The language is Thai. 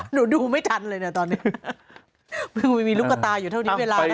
หนูดูไม่ทันเลยเนี้ยตอนเนี้ยเพิ่งไม่มีลูกกระตาอยู่เท่านี้เวลา